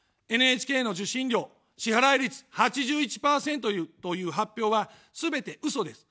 ＮＨＫの受信料、支払い率８１％という発表は、すべてうそです。